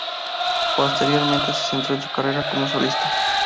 Posteriormente se centró en su carrera como solista.